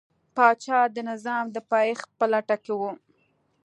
پاچا د نظام د پایښت په لټه کې و.